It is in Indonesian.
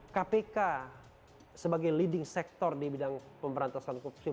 kpk sebagai leading sector di bidang pemberantasan korupsi